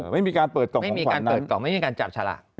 ไม่มีการเปิดกล่องของขวานนั้นไม่มีการจับฉลาด